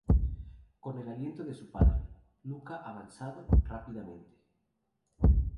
Con el aliento de su padre, Lucca avanzado rápidamente.